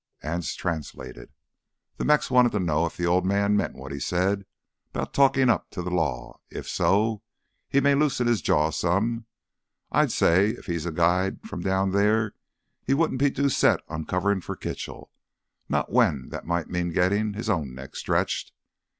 Anse translated. "Th' Mex wanted to know if th' Old Man meant what he said 'bout talkin' up to th' law. If so, he may loosen his jaw some. I'd say, if he's a guide from down there, he wouldn't be too set on coverin' for Kitchell—not when that might mean gettin' his own neck stretched.